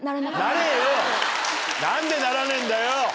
何でならねえんだよ。